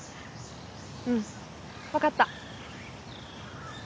うん分かった